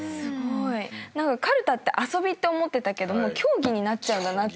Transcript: かるたって遊びって思ってたけど競技になっちゃうんだなっていう。